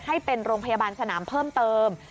ให้เป็นโรงพยาบาลสนามเพิ่มเติม